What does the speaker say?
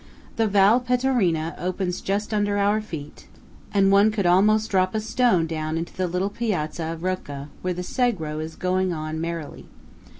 The Val Pettorina opens just under our feet, and one could almost drop a stone down into the little piazza of Rocca, where the Sagro is going on merrily.